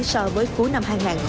so với cuối năm hai nghìn hai mươi